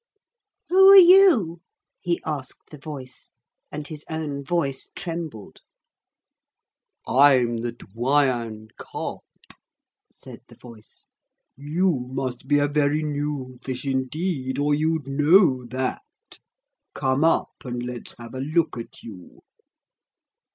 'Who are you?' he asked the voice, and his own voice trembled. 'I'm the Doyen Carp,' said the voice. 'You must be a very new fish indeed or you'd know that. Come up, and let's have a look at you.'